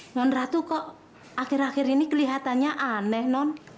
non ratu kok akhir akhir ini kelihatannya aneh non